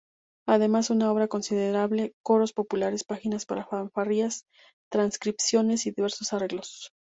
Además una obra considerable: coros populares, páginas para fanfarrias, transcripciones y diversos arreglos.